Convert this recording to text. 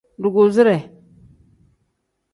Dugusire.